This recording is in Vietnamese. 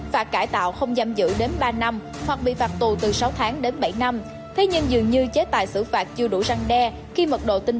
phạt cải tạo không giam giữ đến ba năm hoặc bị phạt tù từ sáu tháng đến bảy năm